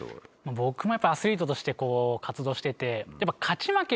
僕もやっぱアスリートとして活動してて。